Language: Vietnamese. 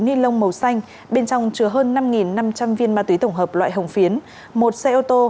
ni lông màu xanh bên trong chứa hơn năm năm trăm linh viên ma túy tổng hợp loại hồng phiến một xe ô tô